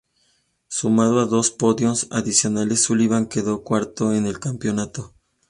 Sumado a dos podios adicionales, Sullivan quedó cuarto en el campeonato.